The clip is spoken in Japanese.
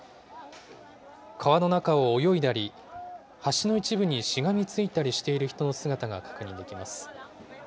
川の中を泳いだり、橋の一部にしがみついたりしている人の姿が確認できます。